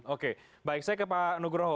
oke baik saya ke pak nugroho